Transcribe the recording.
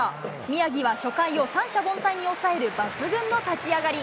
宮城は初回を三者凡退に抑える抜群の立ち上がり。